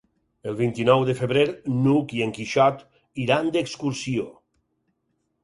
El vint-i-nou de febrer n'Hug i en Quixot iran d'excursió.